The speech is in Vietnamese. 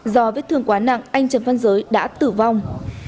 do vết thương quá nặng anh trần văn giới đã tử vong